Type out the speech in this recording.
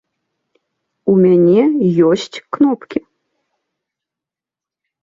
У мяне ёсць кнопкі.